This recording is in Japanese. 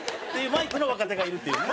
マイクの若手がいるっていうね。